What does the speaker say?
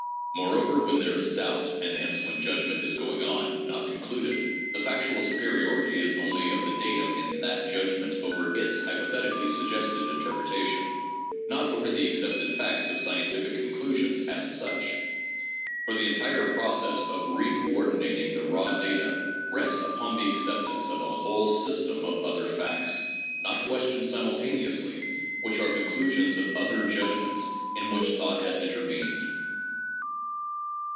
Moreover, when there is doubt (and hence when judgment is going on, not concluded) the factual superiority is only 18 THE JOURNAL OF PHILOSOPHY of the datum in that judgment over its hypothetically suggested in terpretation, not over the accepted facts of scientific conclusions as such. For the entire process of re coordinating the raw data rests upon the acceptance of a whole system of other facts, not questioned simultaneously, which are conclusions of other judgments in which thought has intervened.